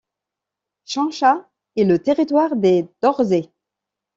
Chencha est le territoire des Dorzés.